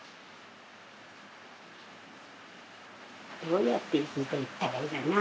どうやって生きていったらいいかな？